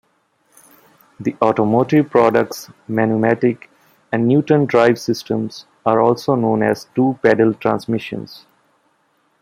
The Automotive Products Manumatic and Newtondrive systems are also known as "two-pedal transmissions".